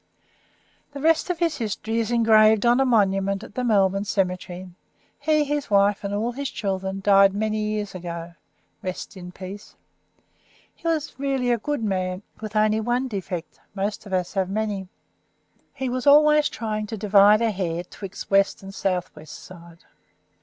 The rest of his history is engraved on a monument in the Melbourne Cemetery; he, his wife, and all his children died many years ago. R.I.P. He was really a good man, with only one defect most of us have many he was always trying to divide a hair 'twixt West and South West side.